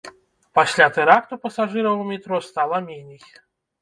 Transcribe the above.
Пасля тэракту пасажыраў у метро стала меней.